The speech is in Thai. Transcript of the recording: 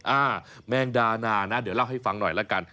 อ่าแมงดานานะเดี๋ยวเล่าให้ฟังหน่อยละกัน